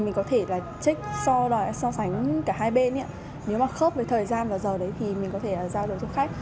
mình có thể so sánh cả hai bên nếu mà khớp với thời gian và giờ thì mình có thể giao dịch cho khách